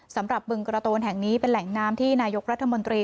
บึงกระโตนแห่งนี้เป็นแหล่งน้ำที่นายกรัฐมนตรี